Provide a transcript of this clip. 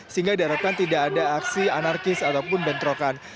sehingga diharapkan tidak ada aksi anarkis ataupun bentrokan